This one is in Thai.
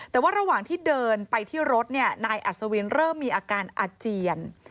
แต่ว่าระหว่างที่เดินไปที่รถนายอัศวินเริ่มมีอาการอาเจียน